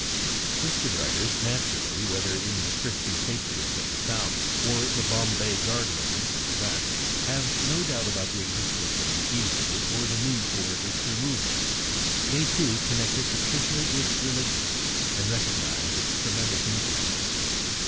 Christian writers naturally, whether in the Christian Patriot of the South or the Bombay Guardian of the West, have no doubt about the existence of the evil or the need for its removal. They, too, connect it distinctly with religion, and recognise its tremendous influence.